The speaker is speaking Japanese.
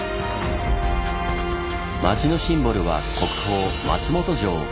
町のシンボルは国宝松本城。